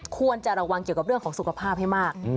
ควรจะระวังเกี่ยวกับเรื่องของสุขภาพให้มาก